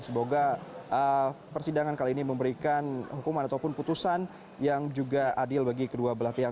semoga persidangan kali ini memberikan hukuman ataupun putusan yang juga adil bagi kedua belah pihak